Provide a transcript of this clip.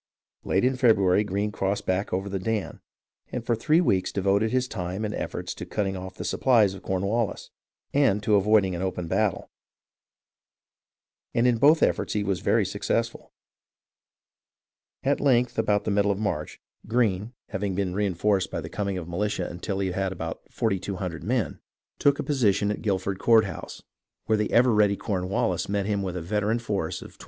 Late in February Greene crossed back over the Dan, and for three weeks devoted his time and efforts to cut ting off the supplies of Cornwallis, and to avoiding an open battle, and in both efforts he was very successful. At length, about the middle of March, Greene having been GREENE'S WORK IN THE SOUTH 339 reenforced by the coming of militia until he had about 4200 men, took a position at Guilford Courthouse, where the ever ready Cornwallis met him with a veteran force of 2400.